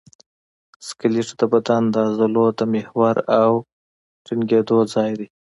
سکلیټ د بدن د عضلو د محور او ټینګېدو ځای دی.